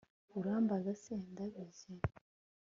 Urambaza se ndabizi